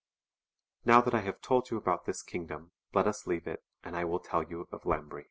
Now that I have told you about this kingdom let us leave it, and I wall tell you of Lambri.